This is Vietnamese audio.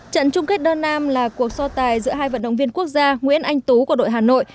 trận chung kết đơn nam là cuộc so tài giữa hai vận động viên quốc gia nguyễn anh tú của đội hà nội